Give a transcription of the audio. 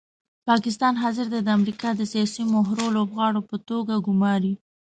پاکستان حاضر دی د امریکا د سیاسي مهرو لوبغاړو په توګه ګوماري.